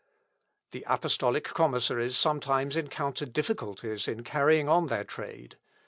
The apostolic commissaries sometimes encountered difficulties in carrying on their trade.